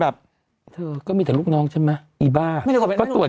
พี่ฟังไม่ไปอ่ะ